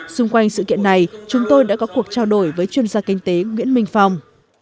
xung quanh sự kiện này chúng tôi đã có cuộc trao đổi với chuyên gia kinh tế nguyễn minh phong